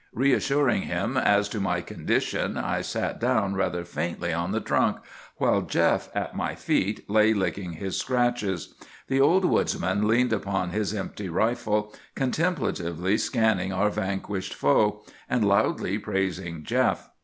] "Reassuring him as to my condition, I sat down rather faintly on the trunk, while Jeff, at my feet, lay licking his scratches. The old woodsman leaned upon his empty rifle, contemplatively scanning our vanquished foe, and loudly praising Jeff.